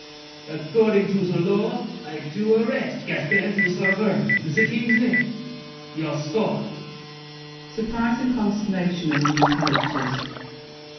According to the law I do arrest Gaspard de Saverny, in the King's name. Your sword! [Surprise and consternation among the characters. MARQUIS DE NANGIS.